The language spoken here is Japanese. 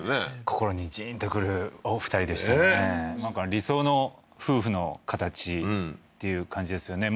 心にジーンとくるお二人でしたねなんか理想の夫婦の形っていう感じですよね